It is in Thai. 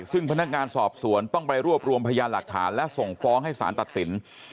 ซึ่งพนักงานสอบสวนต้องไปรวบรวมพยานหลักฐานและส่งฟ้องให้สารตัดสิน